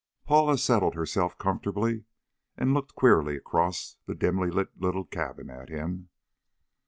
Paula settled herself comfortably, and looked queerly across the dimly lit little cabin at him.